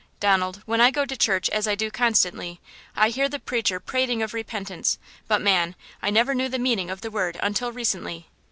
"Donald, when I go to church, as I do constantly, I hear the preacher prating of repentance; but man, I never knew the meaning of the word until recently."